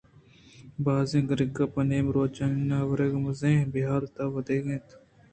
بازیں گِرّاک پہ نیم روچ ءِ نان ءِ ورگ ءَ مزنیں ہالءِ تہا وداریگ اِت اَنتءُلہتیں اِدا ءُاوداں سرُک دیگ ءَاِت اِنت